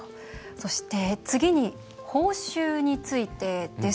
次に報酬についてです。